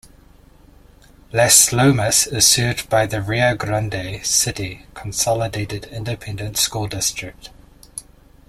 Las Lomas is served by the Rio Grande City Consolidated Independent School District.